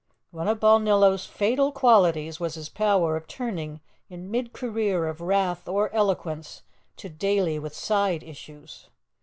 _" One of Balnillo's fatal qualities was his power of turning in mid career of wrath or eloquence to daily with side issues.